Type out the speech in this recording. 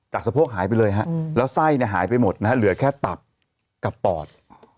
สะโพกหายไปเลยฮะแล้วไส้หายไปหมดนะฮะเหลือแค่ตับกับปอด